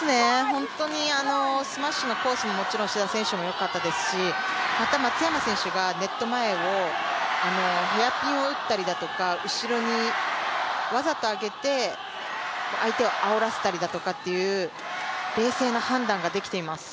本当にスマッシュのコースも志田選手、よかったですし、また松山選手がネット前をヘアピンを打ったりだとか、後ろにわざと上げて、相手をあおらせたりだとかという冷静な判断ができています。